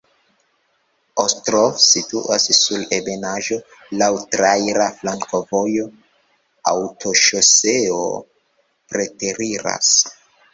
Ostrov situas sur ebenaĵo, laŭ traira flankovojo, aŭtoŝoseo preteriras.